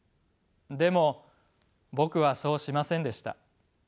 でも僕はそうしませんでした。